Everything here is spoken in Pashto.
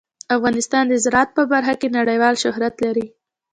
افغانستان د زراعت په برخه کې نړیوال شهرت لري.